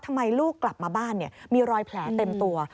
ทำไมลูกกลับมาบ้านมีรอยแผลเต็มตัว